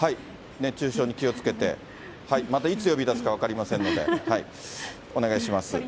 熱中症に気をつけて、またいつ呼び出すか分かりませんので、お願いします。